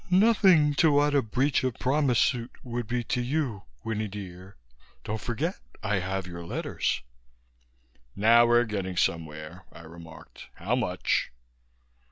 "Nothing to what a breach of promise suit would be to you, Winnie dear. Don't forget I have your letters." "Now we're getting somewhere," I remarked. "How much?"